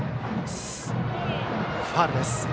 ファウルです。